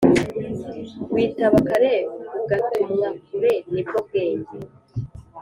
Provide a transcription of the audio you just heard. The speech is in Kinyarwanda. Witaba kare ugatumwa kure nibwo bwenge